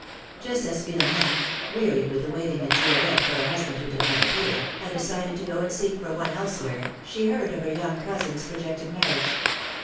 Just as Philom^ne — wearied with awaiting at Dielette for a husband who did not appear — had decided to go and seek for one elsewhere, she heard of her young cousin's projected marriage.